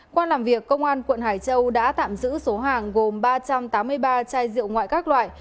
qua làm việc công an quận hải châu đã tạm giữ số hàng gồm ba trăm tám mươi ba chai rượu ngoại các loại